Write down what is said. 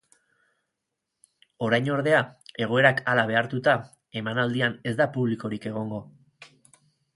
Orain, ordea, egoerak hala behartuta, emanaldian ez da publikorik egongo.